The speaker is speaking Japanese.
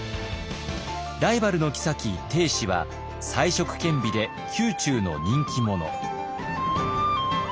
ライバルの后定子は才色兼備で宮中の人気者。